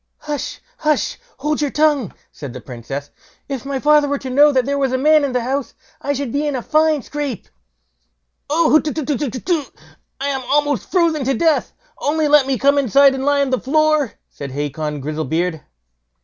"Hush! hush! hold your tongue!" said the Princess; "if my father were to know that there was a man in the house, I should be in a fine scrape." "Oh, hutetutetutetu! I'm almost frozen to death; only let me come inside and lie on the floor", said Hacon Grizzlebeard.